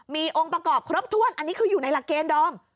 มีองค์ประกอบครบถ้วนอันนี้คืออยู่ในหลักเกณฑ์ดอม